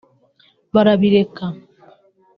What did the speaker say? barabireka